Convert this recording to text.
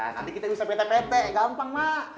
nanti kita bisa pete bete gampang mak